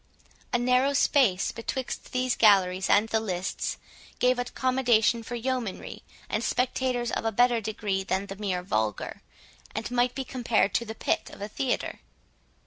A narrow space, betwixt these galleries and the lists, gave accommodation for yeomanry and spectators of a better degree than the mere vulgar, and might be compared to the pit of a theatre.